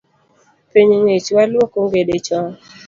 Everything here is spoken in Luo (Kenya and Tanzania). Piny ng’ich, waluok ongede chon